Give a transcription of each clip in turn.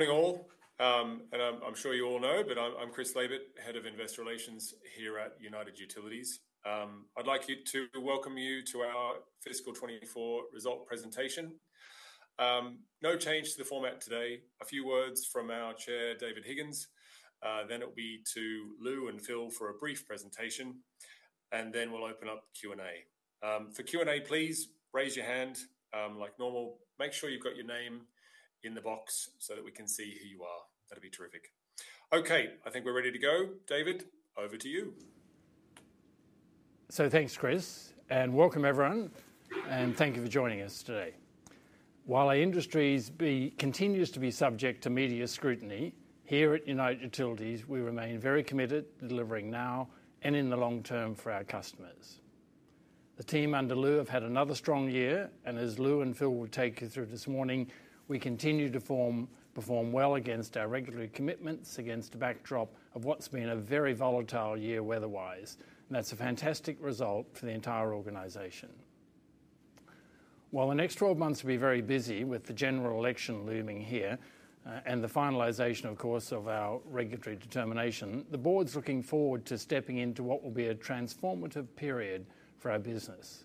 Good morning all. And I'm sure you all know, but I'm Chris Laybutt, Head of Investor Relations here at United Utilities. I'd like to welcome you to our Fiscal 2024 result presentation. No change to the format today. A few words from our chair, David Higgins. Then it'll be to Lou and Phil for a brief presentation, and then we'll open up Q&A. For Q&A, please raise your hand, like normal. Make sure you've got your name in the box so that we can see who you are. That'll be terrific. Okay, I think we're ready to go. David, over to you. So thanks, Chris, and welcome everyone, and thank you for joining us today. While our industries continue to be subject to media scrutiny, here at United Utilities we remain very committed to delivering now and in the long term for our customers. The team under Lou have had another strong year, and as Lou and Phil will take you through this morning, we continue to perform well against our regulatory commitments against a backdrop of what's been a very volatile year weather-wise, and that's a fantastic result for the entire organization. While the next 12 months will be very busy with the general election looming here, and the finalization, of course, of our regulatory determination, the board's looking forward to stepping into what will be a transformative period for our business.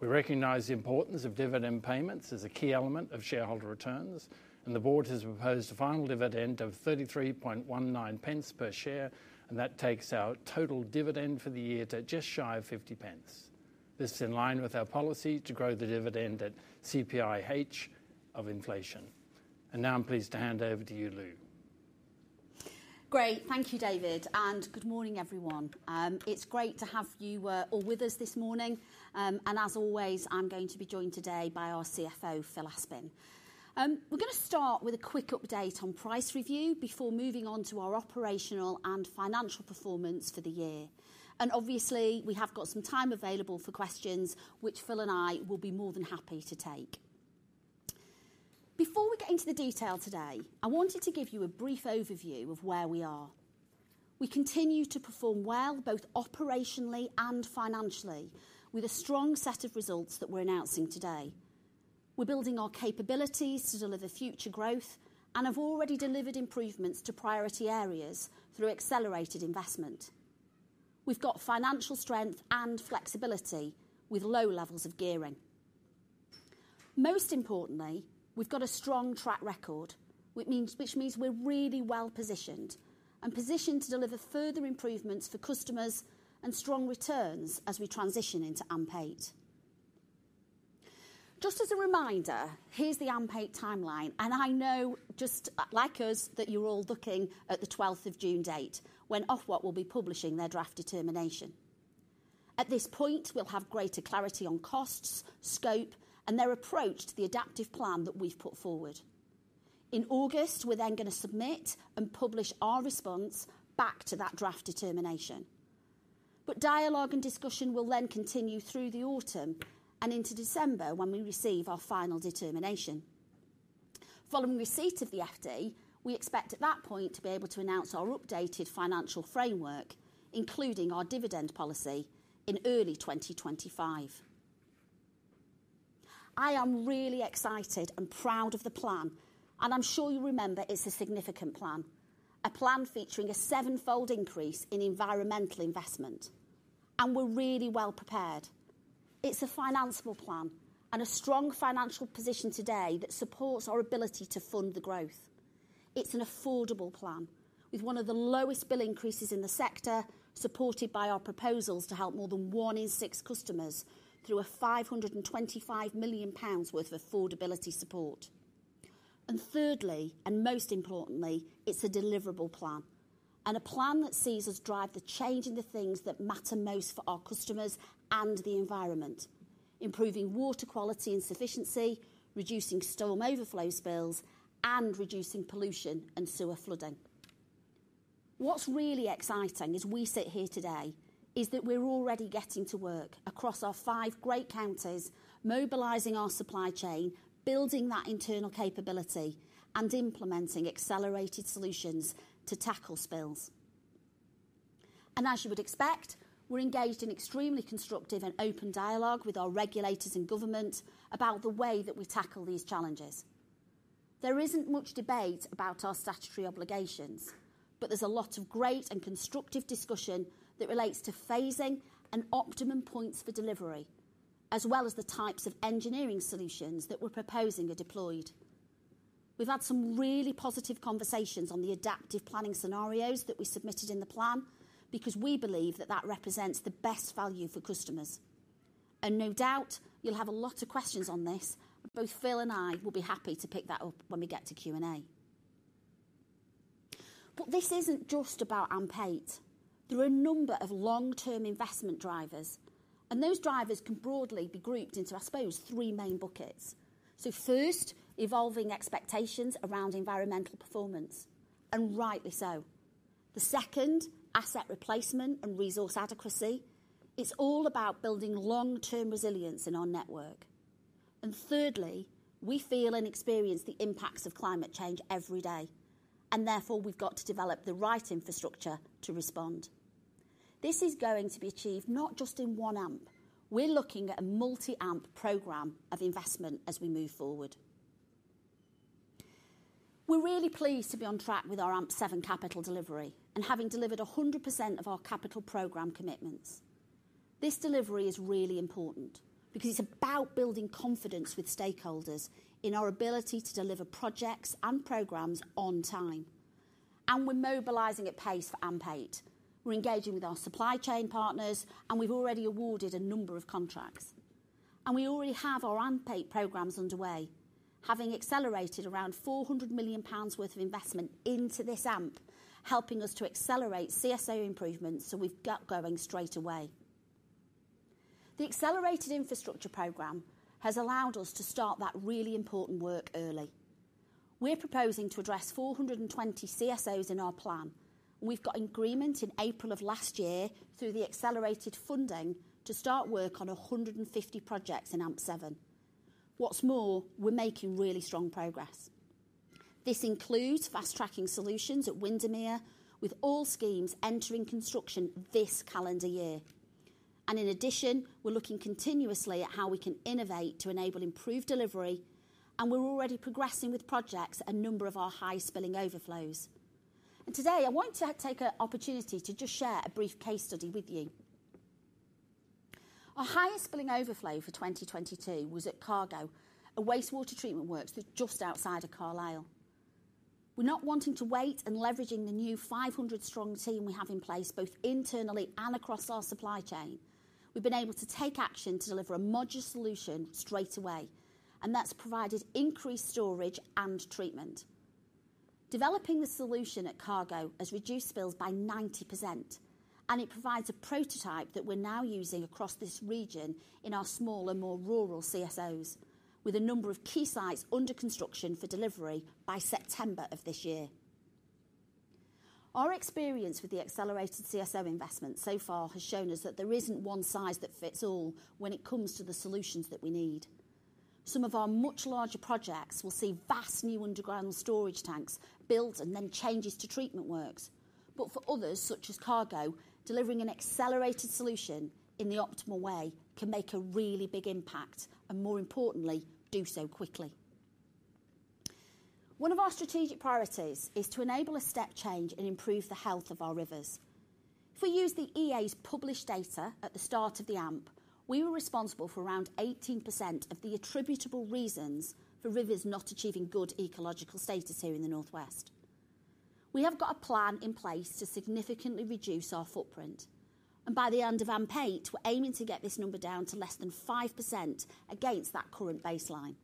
We recognize the importance of dividend payments as a key element of shareholder returns, and the board has proposed a final dividend of 0.3319 per share, and that takes our total dividend for the year to just shy of 0.50. This is in line with our policy to grow the dividend at CPIH plus inflation. Now I'm pleased to hand over to you, Lou. Great. Thank you, David, and good morning everyone. It's great to have you all with us this morning. As always, I'm going to be joined today by our CFO, Phil Aspin. We're going to start with a quick update on price review before moving on to our operational and financial performance for the year. Obviously, we have got some time available for questions, which Phil and I will be more than happy to take. Before we get into the detail today, I wanted to give you a brief overview of where we are. We continue to perform well both operationally and financially with a strong set of results that we're announcing today. We're building our capabilities to deliver future growth and have already delivered improvements to priority areas through accelerated investment. We've got financial strength and flexibility with low levels of gearing. Most importantly, we've got a strong track record, which means we're really well positioned to deliver further improvements for customers and strong returns as we transition into AMP8. Just as a reminder, here's the AMP8 timeline, and I know just like us that you're all looking at the 12th of June date when Ofwat will be publishing their draft determination. At this point, we'll have greater clarity on costs, scope, and their approach to the adaptive plan that we've put forward. In August, we're then going to submit and publish our response back to that draft determination. But dialogue and discussion will then continue through the autumn and into December when we receive our final determination. Following receipt of the FD, we expect at that point to be able to announce our updated financial framework, including our dividend policy, in early 2025. I am really excited and proud of the plan, and I'm sure you remember it's a significant plan, a plan featuring a seven-fold increase in environmental investment, and we're really well prepared. It's a financiable plan and a strong financial position today that supports our ability to fund the growth. It's an affordable plan with one of the lowest bill increases in the sector, supported by our proposals to help more than one in six customers through a 525 million pounds worth of affordability support. And thirdly, and most importantly, it's a deliverable plan, and a plan that sees us drive the change in the things that matter most for our customers and the environment: improving water quality and sufficiency, reducing storm overflow spills, and reducing pollution and sewer flooding. What's really exciting as we sit here today is that we're already getting to work across our five great counties mobilizing our supply chain, building that internal capability, and implementing accelerated solutions to tackle spills. As you would expect, we're engaged in extremely constructive and open dialogue with our regulators and government about the way that we tackle these challenges. There isn't much debate about our statutory obligations, but there's a lot of great and constructive discussion that relates to phasing and optimum points for delivery, as well as the types of engineering solutions that we're proposing are deployed. We've had some really positive conversations on the adaptive planning scenarios that we submitted in the plan because we believe that that represents the best value for customers. No doubt you'll have a lot of questions on this, and both Phil and I will be happy to pick that up when we get to Q&A. But this isn't just about AMP8. There are a number of long-term investment drivers, and those drivers can broadly be grouped into, I suppose, three main buckets. So first, evolving expectations around environmental performance, and rightly so. The second, asset replacement and resource adequacy. It's all about building long-term resilience in our network. And thirdly, we feel and experience the impacts of climate change every day, and therefore we've got to develop the right infrastructure to respond. This is going to be achieved not just in one AMP. We're looking at a multi-AMP program of investment as we move forward. We're really pleased to be on track with our AMP7 capital delivery and having delivered 100% of our capital program commitments. This delivery is really important because it's about building confidence with stakeholders in our ability to deliver projects and programs on time. We're mobilizing at pace for AMP8. We're engaging with our supply chain partners, and we've already awarded a number of contracts. We already have our AMP8 programs underway, having accelerated around 400 million pounds worth of investment into this AMP, helping us to accelerate CSO improvements so we've got going straight away. The accelerated infrastructure program has allowed us to start that really important work early. We're proposing to address 420 CSOs in our plan, and we've got agreement in April of last year through the accelerated funding to start work on 150 projects in AMP7. What's more, we're making really strong progress. This includes fast-tracking solutions at Windermere with all schemes entering construction this calendar year. In addition, we're looking continuously at how we can innovate to enable improved delivery, and we're already progressing with projects at a number of our high spilling overflows. Today I want to take an opportunity to just share a brief case study with you. Our highest spilling overflow for 2022 was at Cargo, a wastewater treatment works that's just outside of Carlisle. We're not wanting to wait and leveraging the new 500-strong team we have in place both internally and across our supply chain. We've been able to take action to deliver a modular solution straight away, and that's provided increased storage and treatment. Developing the solution at Cargo has reduced spills by 90%, and it provides a prototype that we're now using across this region in our smaller, more rural CSOs with a number of key sites under construction for delivery by September of this year. Our experience with the accelerated CSO investment so far has shown us that there isn't one size that fits all when it comes to the solutions that we need. Some of our much larger projects will see vast new underground storage tanks built and then changes to treatment works, but for others such as Cargo, delivering an accelerated solution in the optimal way can make a really big impact and, more importantly, do so quickly. One of our strategic priorities is to enable a step change and improve the health of our rivers. If we use the EA's published data at the start of the AMP, we were responsible for around 18% of the attributable reasons for rivers not achieving good ecological status here in the Northwest. We have got a plan in place to significantly reduce our footprint, and by the end of AMP8, we're aiming to get this number down to less than 5% against that current baseline.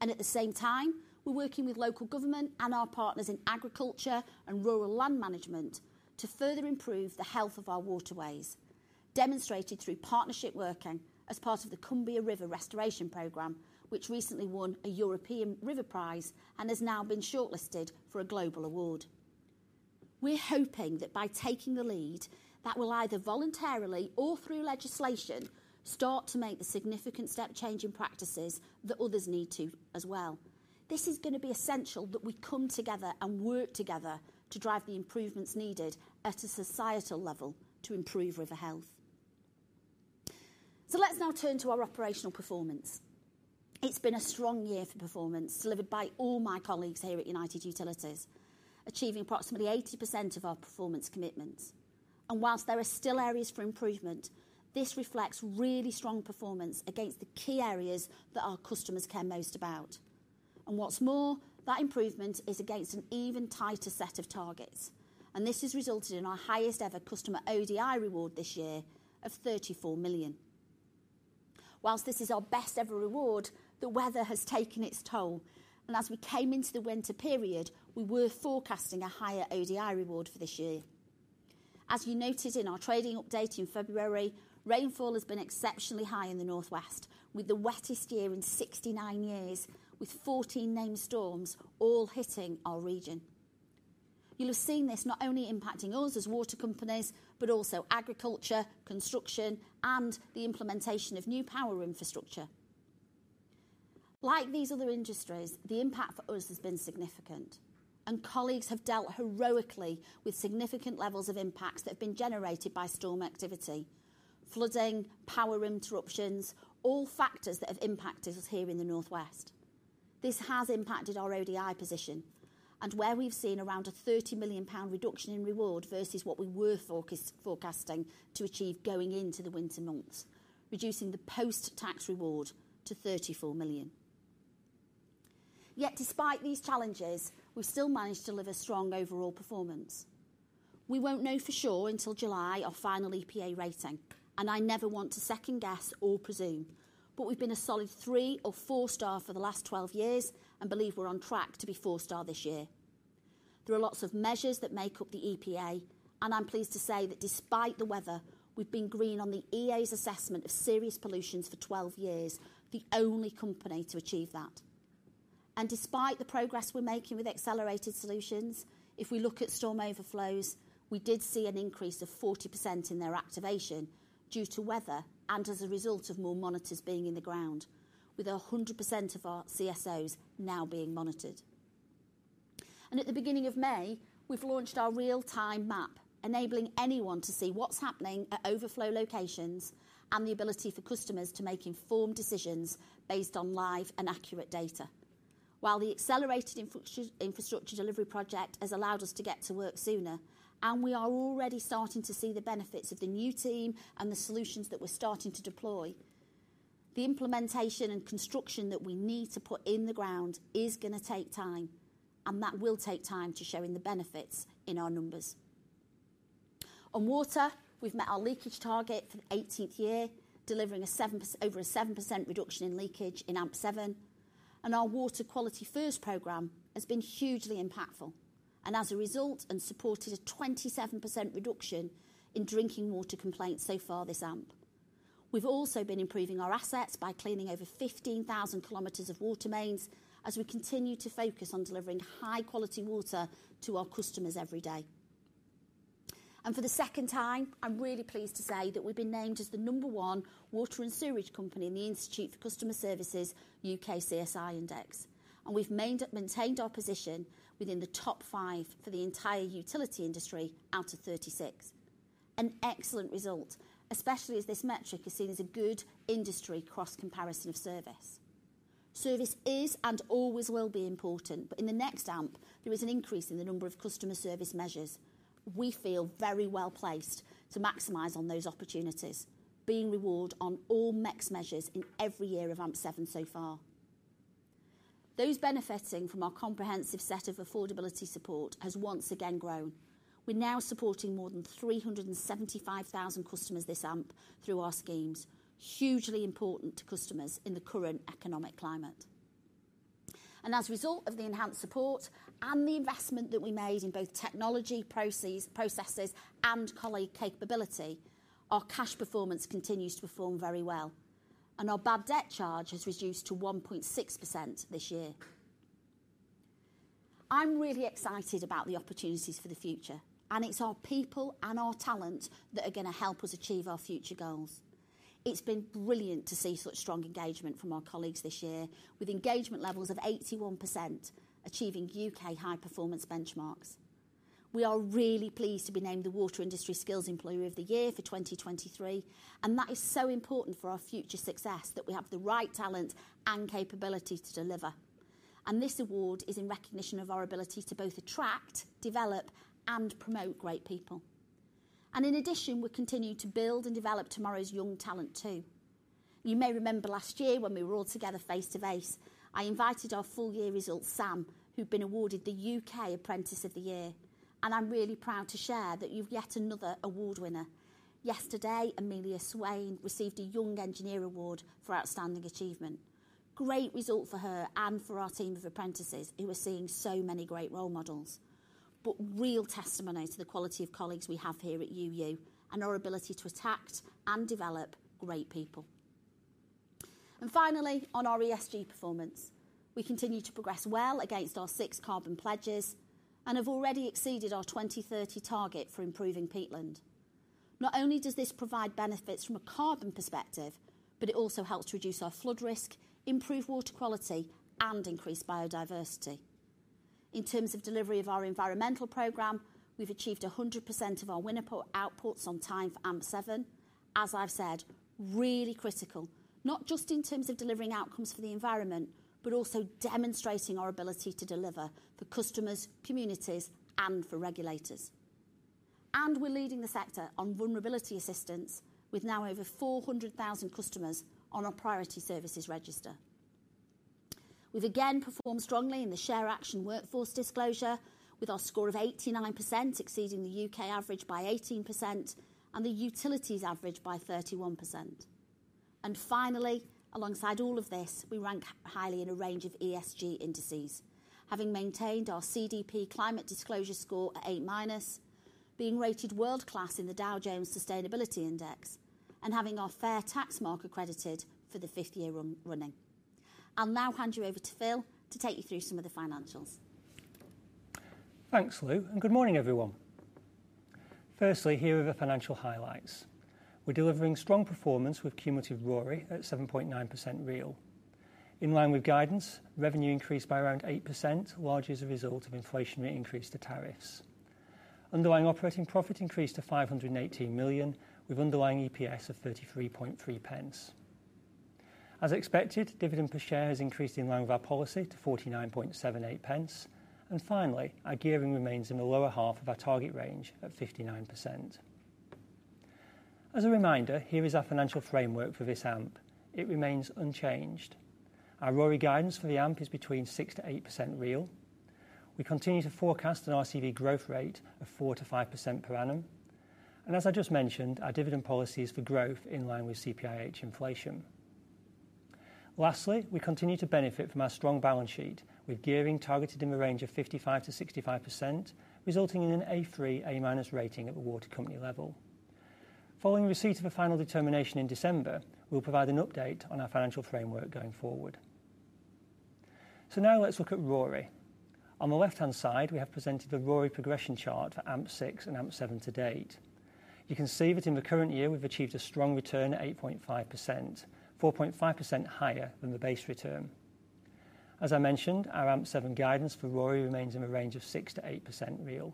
At the same time, we're working with local government and our partners in agriculture and rural land management to further improve the health of our waterways, demonstrated through partnership working as part of the Cumbria River Restoration Programme, which recently won a European Riverprize and has now been shortlisted for a global award. We're hoping that by taking the lead, that will either voluntarily or through legislation start to make the significant step change in practices that others need to as well. This is going to be essential that we come together and work together to drive the improvements needed at a societal level to improve river health. So let's now turn to our operational performance. It's been a strong year for performance delivered by all my colleagues here at United Utilities, achieving approximately 80% of our performance commitments. And whilst there are still areas for improvement, this reflects really strong performance against the key areas that our customers care most about. And what's more, that improvement is against an even tighter set of targets, and this has resulted in our highest-ever customer ODI reward this year of 34 million. Whilst this is our best-ever reward, the weather has taken its toll, and as we came into the winter period, we were forecasting a higher ODI reward for this year. As you noted in our trading update in February, rainfall has been exceptionally high in the North West, with the wettest year in 69 years, with 14 named storms all hitting our region. You'll have seen this not only impacting us as water companies but also agriculture, construction, and the implementation of new power infrastructure. Like these other industries, the impact for us has been significant, and colleagues have dealt heroically with significant levels of impacts that have been generated by storm activity: flooding, power interruptions, all factors that have impacted us here in the North West. This has impacted our ODI position and where we've seen around a 30 million pound reduction in reward versus what we were forecasting to achieve going into the winter months, reducing the post-tax reward to 34 million. Yet despite these challenges, we've still managed to deliver strong overall performance. We won't know for sure until July, our final EPA rating, and I never want to second-guess or presume, but we've been a solid three- or four-star for the last 12 years and believe we're on track to be four-star this year. There are lots of measures that make up the EPA, and I'm pleased to say that despite the weather, we've been green on the EA's assessment of serious pollutions for 12 years, the only company to achieve that. Despite the progress we're making with accelerated solutions, if we look at storm overflows, we did see an increase of 40% in their activation due to weather and as a result of more monitors being in the ground, with 100% of our CSOs now being monitored. At the beginning of May, we've launched our real-time map, enabling anyone to see what's happening at overflow locations and the ability for customers to make informed decisions based on live and accurate data. While the accelerated infrastructure delivery project has allowed us to get to work sooner, and we are already starting to see the benefits of the new team and the solutions that we're starting to deploy, the implementation and construction that we need to put in the ground is going to take time, and that will take time to show in the benefits in our numbers. On water, we've met our leakage target for the 18th year, delivering over a 7% reduction in leakage in AMP7, and our Water Quality First program has been hugely impactful and, as a result, supported a 27% reduction in drinking water complaints so far this AMP. We've also been improving our assets by cleaning over 15,000 kilometers of water mains as we continue to focus on delivering high-quality water to our customers every day. For the second time, I'm really pleased to say that we've been named as the number one water and sewage company in the Institute of Customer Service UKCSI Index, and we've maintained our position within the top five for the entire utility industry out of 36. An excellent result, especially as this metric is seen as a good industry cross-comparison of service. Service is and always will be important, but in the next AMP, there is an increase in the number of customer service measures. We feel very well placed to maximize on those opportunities, being rewarded on all MEX measures in every year of AMP7 so far. Those benefiting from our comprehensive set of affordability support has once again grown. We're now supporting more than 375,000 customers this AMP through our schemes, hugely important to customers in the current economic climate. As a result of the enhanced support and the investment that we made in both technology processes and colleague capability, our cash performance continues to perform very well, and our bad debt charge has reduced to 1.6% this year. I'm really excited about the opportunities for the future, and it's our people and our talent that are going to help us achieve our future goals. It's been brilliant to see such strong engagement from our colleagues this year, with engagement levels of 81% achieving U.K. high-performance benchmarks. We are really pleased to be named the Water Industry Skills Employer of the Year for 2023, and that is so important for our future success that we have the right talent and capability to deliver. In addition, we continue to build and develop tomorrow's young talent too. You may remember last year when we were all together face to face, I invited our full-year result, Sam, who'd been awarded the U.K. Apprentice of the Year, and I'm really proud to share that you've yet another award winner. Yesterday, Amelia Swain received a Young Engineer Award for outstanding achievement. Great result for her and for our team of apprentices who are seeing so many great role models, but real testimony to the quality of colleagues we have here at UU and our ability to attract and develop great people. Finally, on our ESG performance, we continue to progress well against our six carbon pledges and have already exceeded our 2030 target for improving peatland. Not only does this provide benefits from a carbon perspective, but it also helps reduce our flood risk, improve water quality, and increase biodiversity. In terms of delivery of our environmental programme, we've achieved 100% of our WINEP outputs on time for AMP7, as I've said, really critical, not just in terms of delivering outcomes for the environment, but also demonstrating our ability to deliver for customers, communities, and for regulators. We're leading the sector on vulnerability assistance with now over 400,000 customers on our priority services register. We've again performed strongly in the ShareAction workforce disclosure, with our score of 89% exceeding the U.K. average by 18% and the utilities average by 31%. Finally, alongside all of this, we rank highly in a range of ESG indices, having maintained our CDP climate disclosure score at A minus, being rated world-class in the Dow Jones Sustainability Index, and having our Fair Tax Mark accredited for the fifth year running. I'll now hand you over to Phil to take you through some of the financials. Thanks, Lou, and good morning, everyone. Firstly, here are the financial highlights. We're delivering strong performance with cumulative ROI at 7.9% real. In line with guidance, revenue increased by around 8% largely as a result of inflation rate increase to tariffs. Underlying operating profit increased to 518 million with underlying EPS of 0.333. As expected, dividend per share has increased in line with our policy to 0.4978, and finally, our gearing remains in the lower half of our target range at 59%. As a reminder, here is our financial framework for this AMP. It remains unchanged. Our ROI guidance for the AMP is between 6%-8% real. We continue to forecast an RCV growth rate of 4%-5% per annum, and as I just mentioned, our dividend policy is for growth in line with CPIH inflation. Lastly, we continue to benefit from our strong balance sheet with gearing targeted in the range of 55%-65%, resulting in an A3, A-rating at the water company level. Following receipt of a final determination in December, we'll provide an update on our financial framework going forward. So now let's look at ROI. On the left-hand side, we have presented the ROI progression chart for AMP6 and AMP7 to date. You can see that in the current year, we've achieved a strong return at 8.5%, 4.5% higher than the base return. As I mentioned, our AMP7 guidance for ROI remains in the range of 6%-8% real.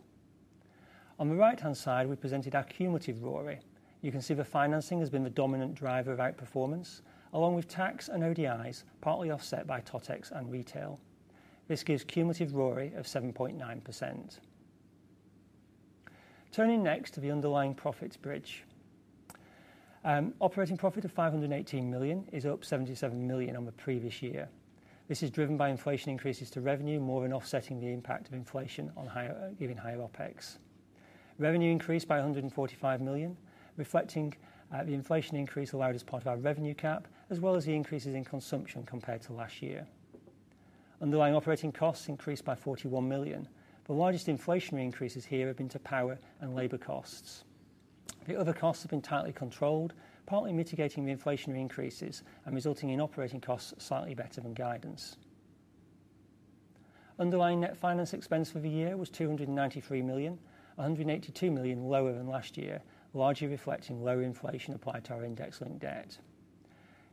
On the right-hand side, we presented our cumulative ROI. You can see that financing has been the dominant driver of outperformance, along with tax and ODIs partly offset by TOTEX and retail. This gives cumulative ROI of 7.9%. Turning next to the underlying profits bridge. Operating profit of 518 million is up 77 million on the previous year. This is driven by inflation increases to revenue, more than offsetting the impact of inflation on giving higher OPEX. Revenue increased by 145 million, reflecting the inflation increase allowed as part of our revenue cap as well as the increases in consumption compared to last year. Underlying operating costs increased by 41 million. The largest inflationary increases here have been to power and labor costs. The other costs have been tightly controlled, partly mitigating the inflationary increases and resulting in operating costs slightly better than guidance. Underlying net finance expense for the year was 293 million, 182 million lower than last year, largely reflecting lower inflation applied to our index-linked debt.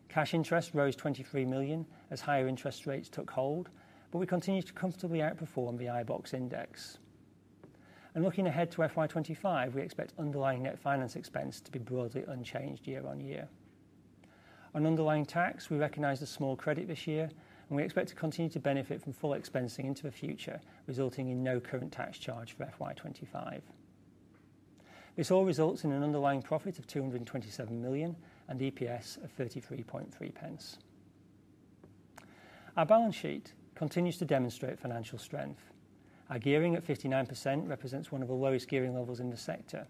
Cash interest rose 23 million as higher interest rates took hold, but we continued to comfortably outperform the iBoxx index. Looking ahead to FY25, we expect underlying net finance expense to be broadly unchanged year-over-year. On underlying tax, we recognize the small credit this year, and we expect to continue to benefit from full expensing into the future, resulting in no current tax charge for FY25. This all results in an underlying profit of 227 million and EPS of 33.3 pence. Our balance sheet continues to demonstrate financial strength. Our gearing at 59% represents one of the lowest gearing levels in the sector.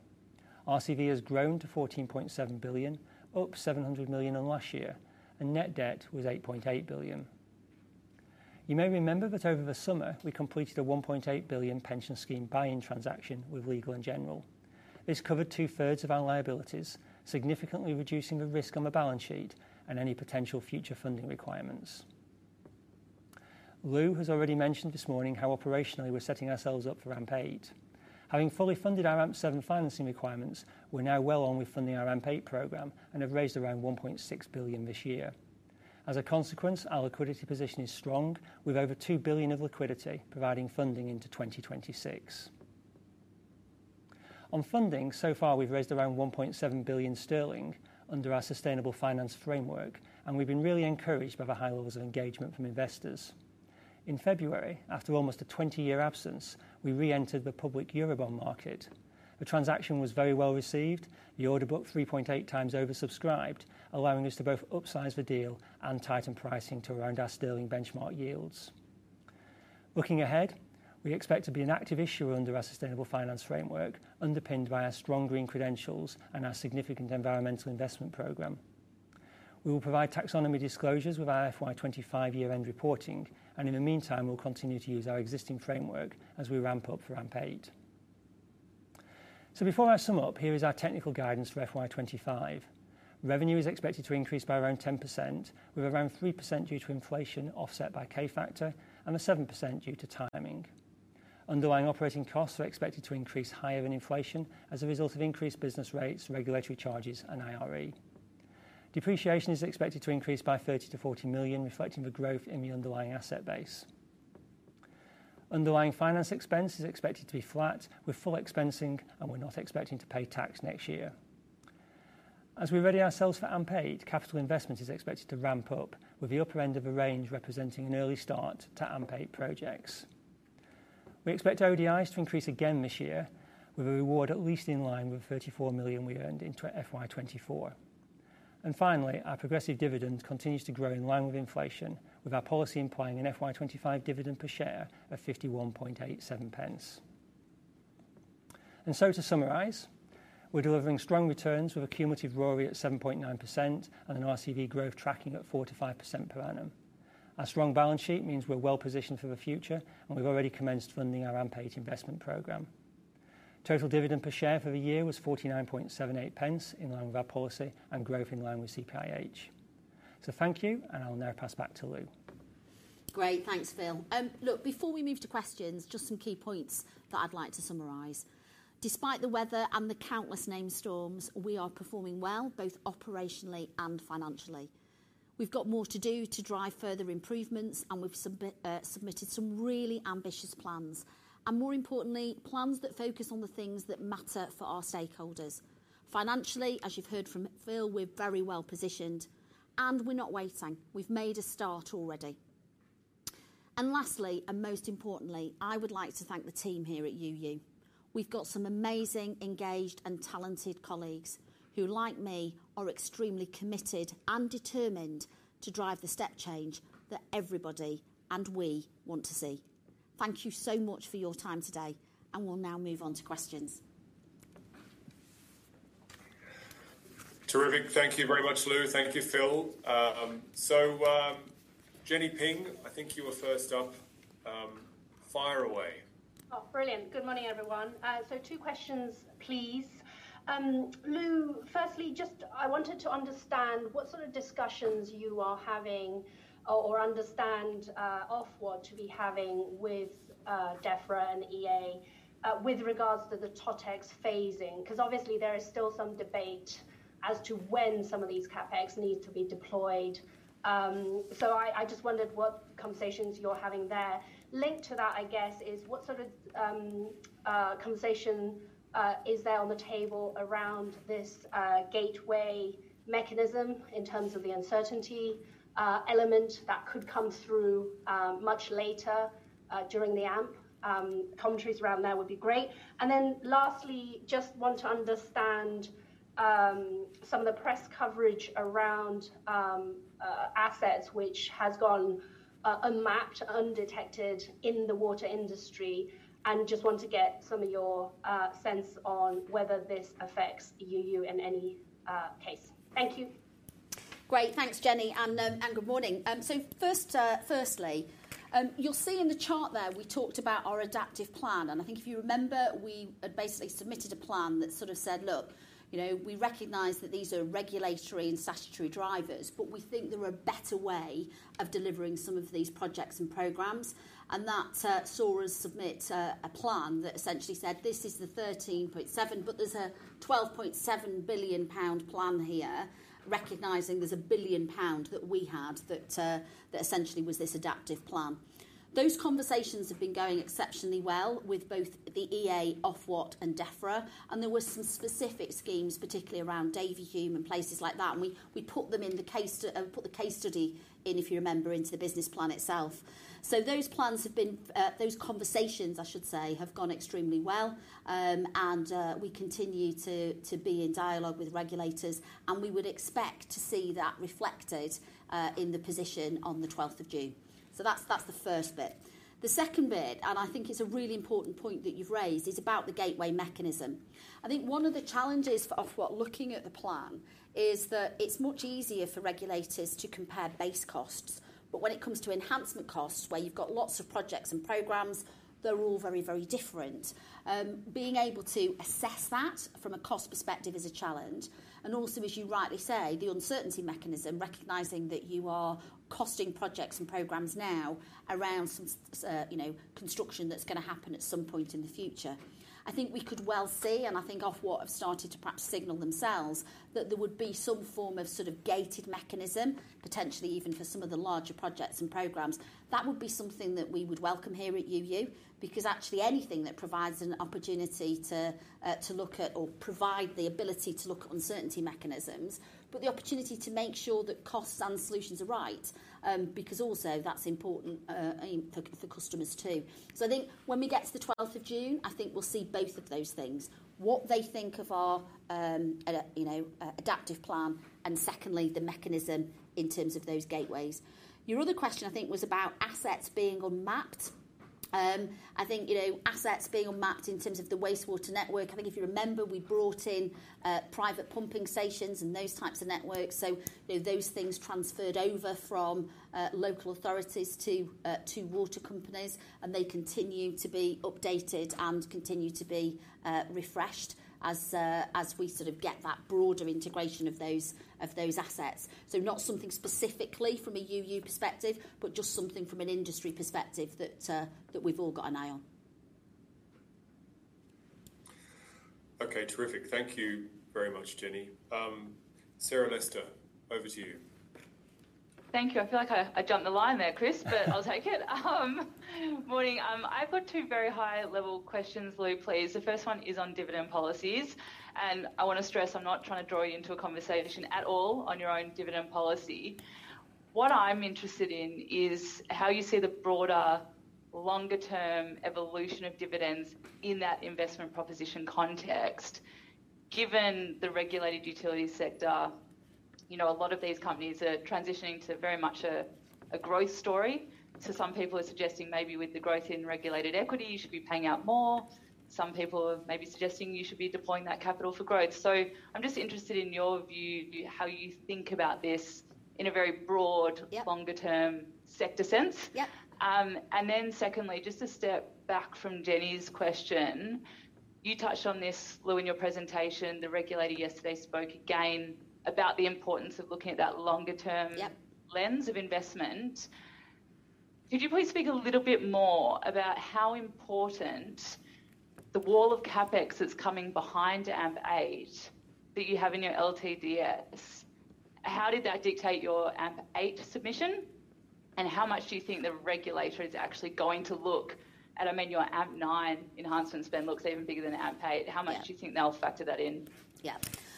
RCV has grown to 14.7 billion, up 700 million on last year, and net debt was 8.8 billion. You may remember that over the summer, we completed a 1.8 billion pension scheme buy-in transaction with Legal & General. This covered two-thirds of our liabilities, significantly reducing the risk on the balance sheet and any potential future funding requirements. Lou has already mentioned this morning how operationally we're setting ourselves up for AMP8. Having fully funded our AMP7 financing requirements, we're now well on with funding our AMP8 programme and have raised around 1.6 billion this year. As a consequence, our liquidity position is strong with over 2 billion of liquidity providing funding into 2026. On funding, so far we've raised around 1.7 billion sterling under our sustainable finance framework, and we've been really encouraged by the high levels of engagement from investors. In February, after almost a 20-year absence, we re-entered the public Eurobond market. The transaction was very well received, the order book 3.8 times oversubscribed, allowing us to both upsize the deal and tighten pricing to around our sterling benchmark yields. Looking ahead, we expect to be an active issuer under our sustainable finance framework, underpinned by our strong green credentials and our significant environmental investment program. We will provide taxonomy disclosures with our FY25 year-end reporting, and in the meantime, we'll continue to use our existing framework as we ramp up for AMP8. So before I sum up, here is our technical guidance for FY25. Revenue is expected to increase by around 10%, with around 3% due to inflation offset by K-factor and a 7% due to timing. Underlying operating costs are expected to increase higher than inflation as a result of increased business rates, regulatory charges, and IRE. Depreciation is expected to increase by 30 million-40 million, reflecting the growth in the underlying asset base. Underlying finance expense is expected to be flat with full expensing, and we're not expecting to pay tax next year. As we ready ourselves for AMP8, capital investment is expected to ramp up, with the upper end of the range representing an early start to AMP8 projects. We expect ODIs to increase again this year, with a reward at least in line with 34 million we earned into FY2024. And finally, our progressive dividend continues to grow in line with inflation, with our policy implying an FY2025 dividend per share of 0.5187. And so to summarize, we're delivering strong returns with a cumulative ROI at 7.9% and an RCV growth tracking at 4%-5% per annum. Our strong balance sheet means we're well positioned for the future, and we've already commenced funding our AMP8 investment program. Total dividend per share for the year was 0.4978 in line with our policy and growth in line with CPIH. So thank you, and I'll now pass back to Lou. Great. Thanks, Phil. Look, before we move to questions, just some key points that I'd like to summarize. Despite the weather and the countless named storms, we are performing well, both operationally and financially. We've got more to do to drive further improvements, and we've submitted some really ambitious plans, and more importantly, plans that focus on the things that matter for our stakeholders. Financially, as you've heard from Phil, we're very well positioned, and we're not waiting. We've made a start already. And lastly, and most importantly, I would like to thank the team here at UU. We've got some amazing, engaged, and talented colleagues who, like me, are extremely committed and determined to drive the step change that everybody and we want to see. Thank you so much for your time today, and we'll now move on to questions. Terrific. Thank you very much, Lou. Thank you, Phil. So Jenny Ping, I think you were first up. Fire away. Brilliant. Good morning, everyone. So two questions, please. Lou, firstly, I wanted to understand what sort of discussions you are having or understand Ofwat to be having with Defra and EA with regards to the TOTEX phasing, because obviously there is still some debate as to when some of these CapEx need to be deployed. So I just wondered what conversations you're having there. Linked to that, I guess, is what sort of conversation is there on the table around this gateway mechanism in terms of the uncertainty element that could come through much later during the AMP? Commentaries around that would be great. And then lastly, just want to understand some of the press coverage around assets which has gone unmapped, undetected in the water industry, and just want to get some of your sense on whether this affects UU in any case. Thank you. Great. Thanks, Jenny, and good morning. So firstly, you'll see in the chart there we talked about our adaptive plan, and I think if you remember, we had basically submitted a plan that sort of said, "Look, we recognize that these are regulatory and statutory drivers, but we think there are a better way of delivering some of these projects and programs." And that saw us submit a plan that essentially said, "This is the 13.7, but there's a 12.7 billion pound plan here," recognizing there's a 1 billion pound that we had that essentially was this adaptive plan. Those conversations have been going exceptionally well with both the E.A., Ofwat and Defra, and there were some specific schemes, particularly around Davyhulme and places like that, and we put them in the case, put the case study in, if you remember, into the business plan itself. So those plans have been those conversations, I should say, have gone extremely well, and we continue to be in dialogue with regulators, and we would expect to see that reflected in the position on the 12th of June. So that's the first bit. The second bit, and I think it's a really important point that you've raised, is about the gateway mechanism. I think one of the challenges Ofwat looking at the plan is that it's much easier for regulators to compare base costs, but when it comes to enhancement costs where you've got lots of projects and programs, they're all very, very different. Being able to assess that from a cost perspective is a challenge, and also, as you rightly say, the uncertainty mechanism, recognising that you are costing projects and programs now around some construction that's going to happen at some point in the future. I think we could well see, and I think Ofwat have started to perhaps signal themselves, that there would be some form of sort of gated mechanism, potentially even for some of the larger projects and programs. That would be something that we would welcome here at UU because actually anything that provides an opportunity to look at or provide the ability to look at uncertainty mechanisms, but the opportunity to make sure that costs and solutions are right, because also that's important for customers too. So I think when we get to the 12th of June, I think we'll see both of those things, what they think of our adaptive plan, and secondly, the mechanism in terms of those gateways. Your other question, I think, was about assets being unmapped. I think assets being unmapped in terms of the wastewater network. I think if you remember, we brought in private pumping stations and those types of networks, so those things transferred over from local authorities to water companies, and they continue to be updated and continue to be refreshed as we sort of get that broader integration of those assets. So not something specifically from a UU perspective, but just something from an industry perspective that we've all got an eye on. Okay. Terrific. Thank you very much, Jenny. Sarah Lister, over to you. Thank you. I feel like I jumped the line there, Chris, but I'll take it. Morning. I've got two very high-level questions, Lou, please. The first one is on dividend policies, and I want to stress I'm not trying to draw you into a conversation at all on your own dividend policy. What I'm interested in is how you see the broader, longer-term evolution of dividends in that investment proposition context. Given the regulated utility sector, a lot of these companies are transitioning to very much a growth story. So some people are suggesting maybe with the growth in regulated equity, you should be paying out more. Some people are maybe suggesting you should be deploying that capital for growth. So I'm just interested in your view, how you think about this in a very broad, longer-term sector sense. And then secondly, just to step back from Jenny's question, you touched on this, Lou, in your presentation. The regulator yesterday spoke again about the importance of looking at that longer-term lens of investment. Could you please speak a little bit more about how important the wall of CapEx that's coming behind AMP8 that you have in your LTDS, how did that dictate your AMP8 submission, and how much do you think the regulator is actually going to look at? I mean, your AMP9 enhancement spend looks even bigger than AMP8. How much do you think they'll factor that in?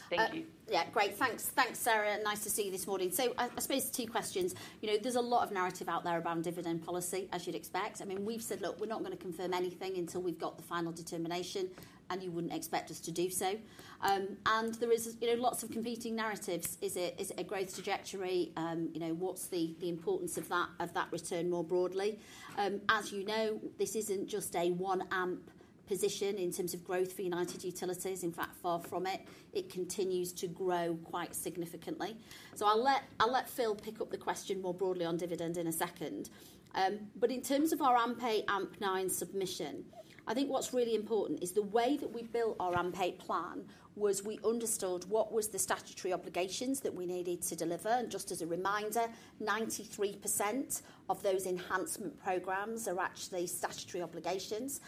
Thank you. Yeah. Great. Thanks, Sarah. Nice to see you this morning. So I suppose two questions. There's a lot of narrative out there around dividend policy, as you'd expect. I mean, we've said, "Look, we're not going to confirm anything until we've got the final determination," and you wouldn't expect us to do so. And there is lots of competing narratives. Is it a growth trajectory? What's the importance of that return more broadly? As you know, this isn't just a one-AMP position in terms of growth for United Utilities. In fact, far from it. It continues to grow quite significantly. So I'll let Phil pick up the question more broadly on dividend in a second. But in terms of our AMP8, AMP9 submission, I think what's really important is the way that we built our AMP8 plan was we understood what were the statutory obligations that we needed to deliver. Just as a reminder, 93% of those enhancement programmes are actually statutory obligations.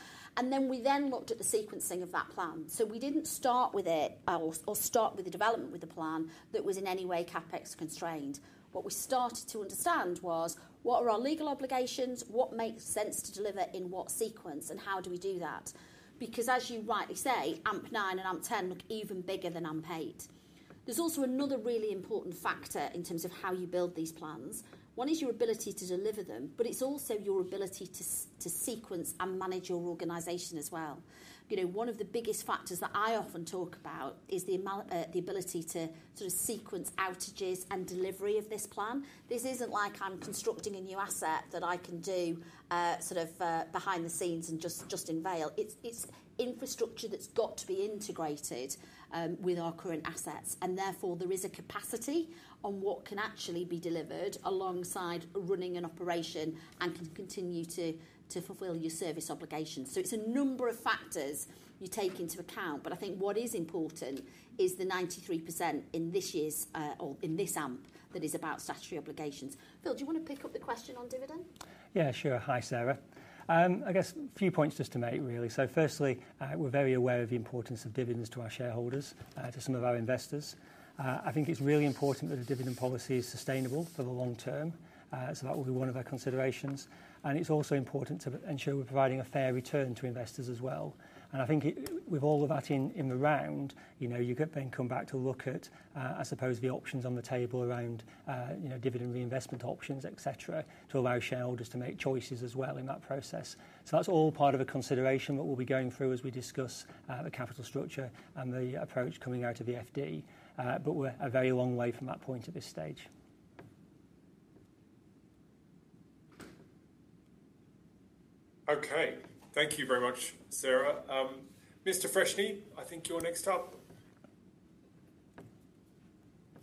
Then we then looked at the sequencing of that plan. We didn't start with it or start with the development with a plan that was in any way CapEx constrained. What we started to understand was what are our legal obligations, what makes sense to deliver in what sequence, and how do we do that? Because as you rightly say, AMP9 and AMP10 look even bigger than AMP8. There's also another really important factor in terms of how you build these plans. One is your ability to deliver them, but it's also your ability to sequence and manage your organisation as well. One of the biggest factors that I often talk about is the ability to sort of sequence outages and delivery of this plan. This isn't like I'm constructing a new asset that I can do sort of behind the scenes and just unveil. It's infrastructure that's got to be integrated with our current assets, and therefore there is a capacity on what can actually be delivered alongside running an operation and can continue to fulfill your service obligations. So it's a number of factors you take into account, but I think what is important is the 93% in this year's or in this AMP that is about statutory obligations. Phil, do you want to pick up the question on dividend? Yeah, sure. Hi, Sarah. I guess a few points just to make, really. So firstly, we're very aware of the importance of dividends to our shareholders, to some of our investors. I think it's really important that a dividend policy is sustainable for the long term. So that will be one of our considerations. And it's also important to ensure we're providing a fair return to investors as well. And I think with all of that in the round, you then come back to look at, I suppose, the options on the table around dividend reinvestment options, etc., to allow shareholders to make choices as well in that process. So that's all part of a consideration that we'll be going through as we discuss the capital structure and the approach coming out of the FD, but we're a very long way from that point at this stage. Okay. Thank you very much, Sarah. Mr. Freshney, I think you're next up.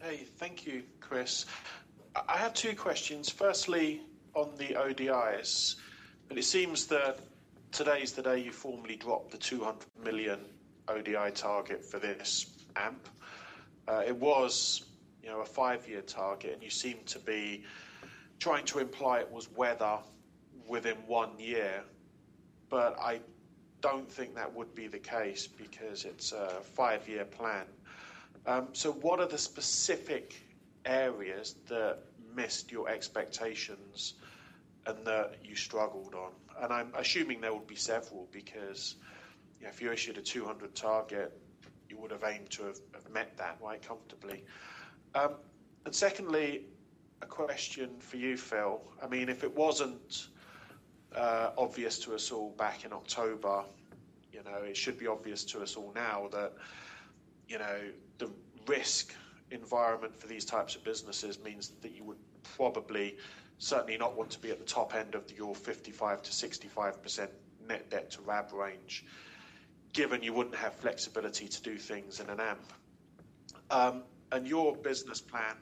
Hey. Thank you, Chris. I have two questions. Firstly, on the ODIs, but it seems that today's the day you formally dropped the 200 million ODI target for this AMP. It was a five-year target, and you seem to be trying to imply it was whether within one year, but I don't think that would be the case because it's a five-year plan. So what are the specific areas that missed your expectations and that you struggled on? And I'm assuming there would be several because if you issued a 200 target, you would have aimed to have met that quite comfortably. And secondly, a question for you, Phil. I mean, if it wasn't obvious to us all back in October, it should be obvious to us all now that the risk environment for these types of businesses means that you would probably certainly not want to be at the top end of your 55%-65% net debt to RAB range, given you wouldn't have flexibility to do things in an AMP. And your business plan,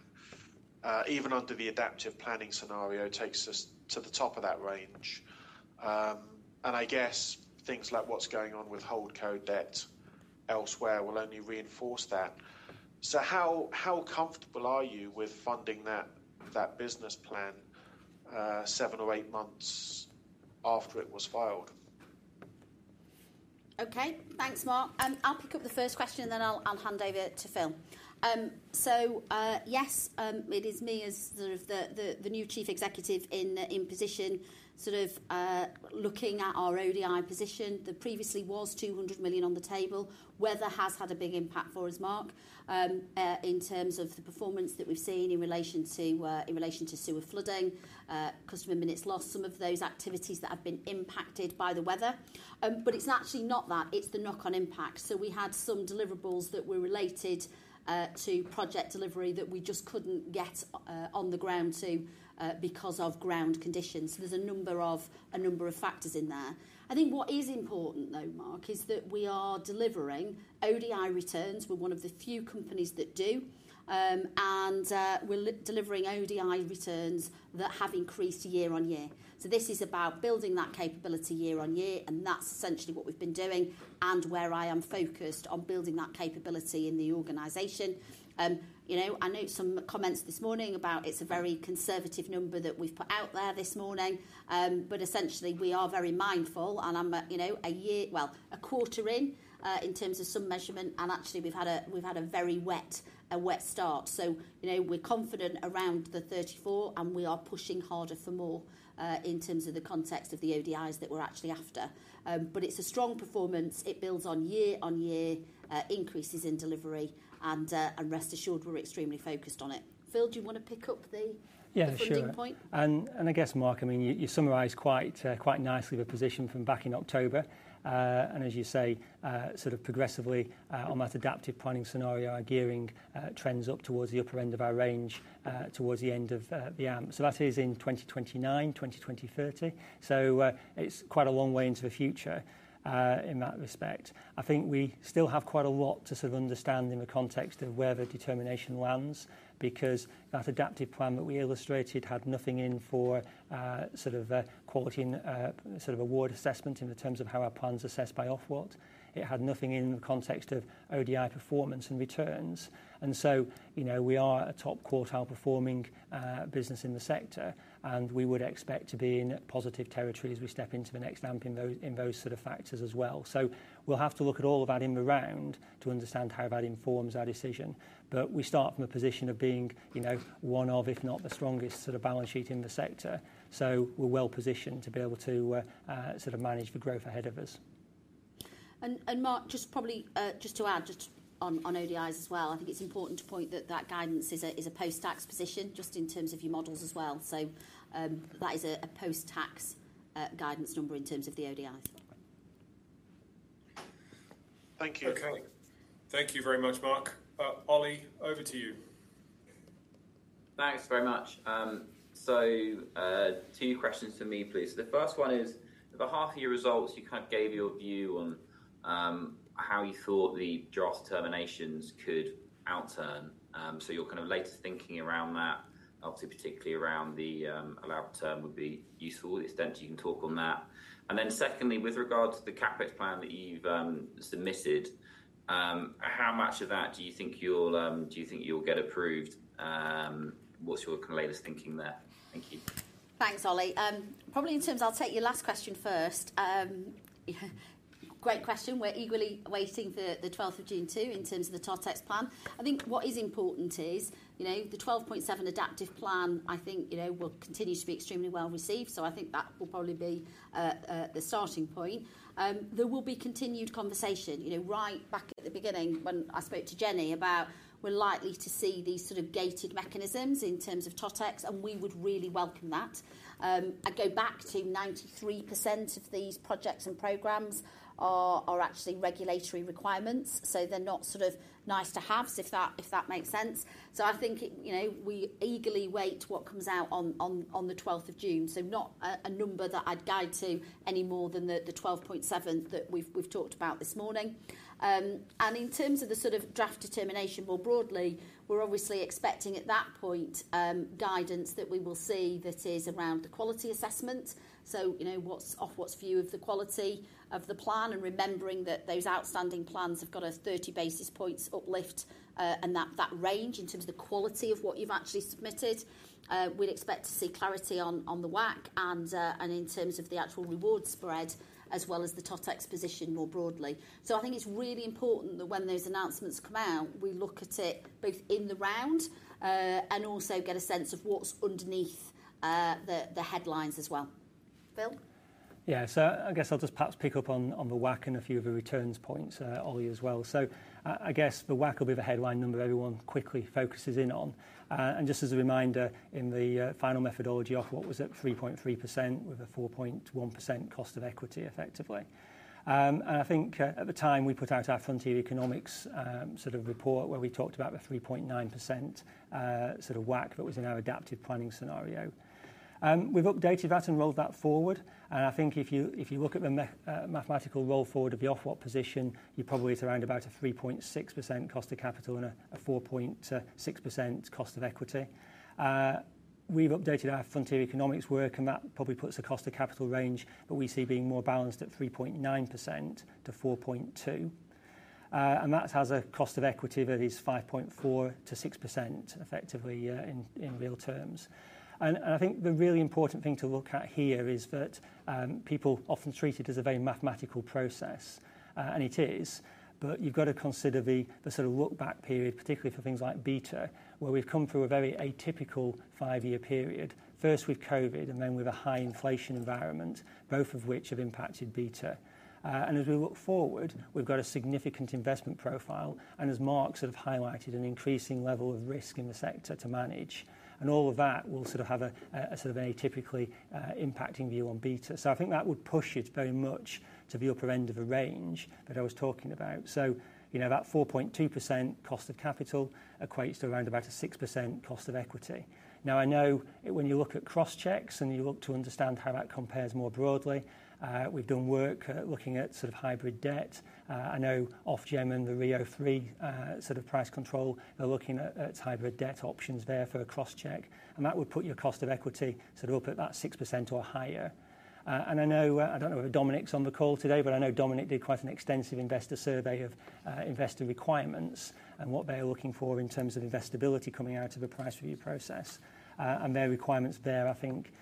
even under the adaptive planning scenario, takes us to the top of that range. And I guess things like what's going on with HoldCo debt elsewhere will only reinforce that. So how comfortable are you with funding that business plan seven or eight months after it was filed? Okay. Thanks, Mark. I'll pick up the first question, and then I'll hand over to Phil. So yes, it is me as sort of the new Chief Executive in position sort of looking at our ODI position. There previously was 200 million on the table. Weather has had a big impact for us, Mark, in terms of the performance that we've seen in relation to sewer flooding, customer minutes lost, some of those activities that have been impacted by the weather. But it's actually not that. It's the knock-on impact. So we had some deliverables that were related to project delivery that we just couldn't get on the ground to because of ground conditions. So there's a number of factors in there. I think what is important, though, Mark, is that we are delivering ODI returns. We're one of the few companies that do, and we're delivering ODI returns that have increased year-over-year. So this is about building that capability year-over-year, and that's essentially what we've been doing and where I am focused on building that capability in the organization. I note some comments this morning about it's a very conservative number that we've put out there this morning, but essentially we are very mindful, and I'm a year well, a quarter in in terms of some measurement, and actually we've had a very wet start. So we're confident around the 34, and we are pushing harder for more in terms of the context of the ODIs that we're actually after. But it's a strong performance. It builds on year-over-year increases in delivery, and rest assured we're extremely focused on it. Phil, do you want to pick up the funding point? Yeah, sure. And I guess, Mark, I mean, you summarised quite nicely the position from back in October, and as you say, sort of progressively on that adaptive planning scenario, our gearing trends up towards the upper end of our range towards the end of the AMP. So that is in 2029, 2020, 2030. So it's quite a long way into the future in that respect. I think we still have quite a lot to sort of understand in the context of where the determination lands because that adaptive plan that we illustrated had nothing in for sort of quality and sort of award assessment in terms of how our plans are assessed by Ofwat. It had nothing in the context of ODI performance and returns. We are a top quartile performing business in the sector, and we would expect to be in positive territory as we step into the next AMP in those sort of factors as well. We'll have to look at all of that in the round to understand how that informs our decision. We start from a position of being one of, if not the strongest sort of balance sheet in the sector. We're well positioned to be able to sort of manage the growth ahead of us. Mark, just probably just to add just on ODIs as well, I think it's important to point that that guidance is a post-tax position just in terms of your models as well. So that is a post-tax guidance number in terms of the ODIs. Thank you. Okay. Thank you very much, Mark. Ollie, over to you. Thanks very much. So two questions for me, please. So the first one is, at the half-year results, you kind of gave your view on how you thought the draft determinations could outturn. So your kind of later thinking around that, obviously, particularly around the allowed term would be useful to the extent you can talk on that. And then secondly, with regards to the CapEx plan that you've submitted, how much of that do you think you'll get approved? What's your kind of latest thinking there? Thank you. Thanks, Ollie. Probably in terms I'll take your last question first. Great question. We're eagerly waiting for the 12th of June 2022 in terms of the TOTEX plan. I think what is important is the 12.7 adaptive plan, I think, will continue to be extremely well received. So I think that will probably be the starting point. There will be continued conversation. Right back at the beginning when I spoke to Jenny about we're likely to see these sort of gated mechanisms in terms of TOTEX, and we would really welcome that. I go back to 93% of these projects and programs are actually regulatory requirements, so they're not sort of nice-to-haves, if that makes sense. So I think we eagerly wait what comes out on the 12th of June 2022. So not a number that I'd guide to any more than the 12.7 that we've talked about this morning. And in terms of the sort of draft determination more broadly, we're obviously expecting at that point guidance that we will see that is around the quality assessment. So Ofwat's view of the quality of the plan and remembering that those outstanding plans have got a 30 basis points uplift and that range in terms of the quality of what you've actually submitted. We'd expect to see clarity on the WACC and in terms of the actual reward spread as well as the TOTEX position more broadly. So I think it's really important that when those announcements come out, we look at it both in the round and also get a sense of what's underneath the headlines as well. Phil? Yeah. So I guess I'll just perhaps pick up on the WACC and a few of the returns points, Ollie, as well. So I guess the WACC will be the headline number everyone quickly focuses in on. And just as a reminder, in the final methodology Ofwat, what was it? 3.3% with a 4.1% cost of equity, effectively. And I think at the time, we put out our Frontier Economics sort of report where we talked about the 3.9% sort of WACC that was in our adaptive planning scenario. We've updated that and rolled that forward. And I think if you look at the mathematical roll forward of the Ofwat position, you probably it's around about a 3.6% cost of capital and a 4.6% cost of equity. We've updated our frontier economics work, and that probably puts a cost of capital range that we see being more balanced at 3.9%-4.2%. That has a cost of equity that is 5.4%-6%, effectively, in real terms. I think the really important thing to look at here is that people often treat it as a very mathematical process, and it is. But you've got to consider the sort of look-back period, particularly for things like beta, where we've come through a very atypical five-year period. First, with COVID, and then with a high inflation environment, both of which have impacted beta. As we look forward, we've got a significant investment profile, and as Mark sort of highlighted, an increasing level of risk in the sector to manage. All of that will sort of have a sort of atypically impacting view on beta. So I think that would push it very much to the upper end of the range that I was talking about. So that 4.2% cost of capital equates to around about a 6% cost of equity. Now, I know when you look at cross-checks and you look to understand how that compares more broadly, we've done work looking at sort of hybrid debt. I know Ofgem and the RIIO-3 sort of price control, they're looking at hybrid debt options there for a cross-check, and that would put your cost of equity sort of up at that 6% or higher. And I don't know if Dominic's on the call today, but I know Dominic did quite an extensive investor survey of investor requirements and what they're looking for in terms of investability coming out of a price review process. Their requirements there, I think,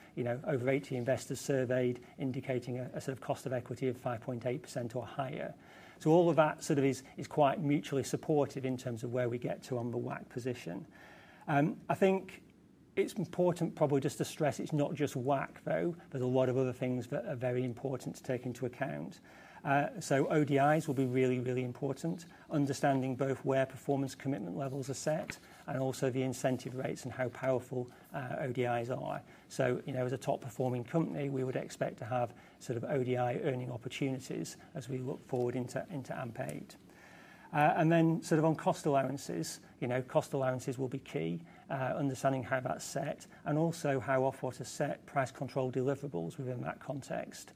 over 80 investors surveyed, indicating a sort of cost of equity of 5.8% or higher. So all of that sort of is quite mutually supportive in terms of where we get to on the WACC position. I think it's important probably just to stress it's not just WACC, though. There's a lot of other things that are very important to take into account. So ODIs will be really, really important, understanding both where performance commitment levels are set and also the incentive rates and how powerful ODIs are. So as a top-performing company, we would expect to have sort of ODI earning opportunities as we look forward into AMP 8. And then sort of on cost allowances, cost allowances will be key, understanding how that's set and also how Ofwat set price control deliverables within that context.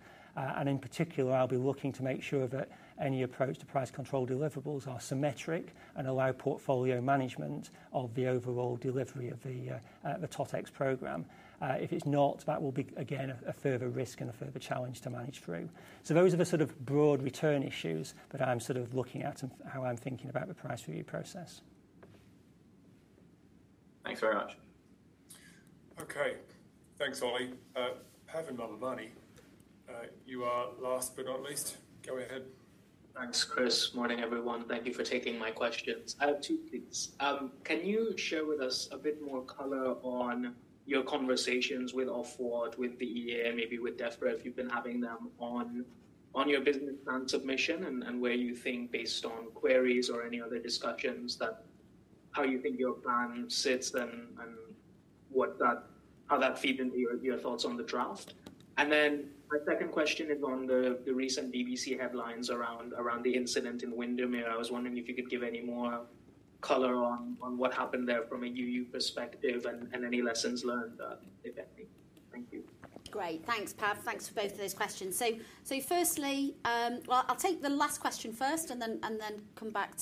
In particular, I'll be looking to make sure that any approach to price control deliverables are symmetric and allow portfolio management of the overall delivery of the TOTEX program. If it's not, that will be, again, a further risk and a further challenge to manage through. Those are the sort of broad return issues that I'm sort of looking at and how I'm thinking about the price review process. Thanks very much. Okay. Thanks, Ollie. Pervin Mayburmani, you are last but not least. Go ahead. Thanks, Chris. Morning, everyone. Thank you for taking my questions. I have two, please. Can you share with us a bit more color on your conversations with Ofwat, with the EA, and maybe with Defra, if you've been having them on your business plan submission and where you think based on queries or any other discussions that how you think your plan sits and how that feeds into your thoughts on the draft? And then my second question is on the recent BBC headlines around the incident in Windermere. I was wondering if you could give any more color on what happened there from a UU perspective and any lessons learned, if any. Thank you. Great. Thanks, Perv. Thanks for both of those questions. So firstly, well, I'll take the last question first and then come back.